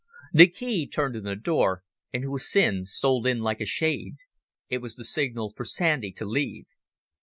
The key turned in the door and Hussin stole in like a shade. It was the signal for Sandy to leave.